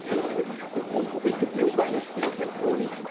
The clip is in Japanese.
保険適用外の薬は結構多いんですか？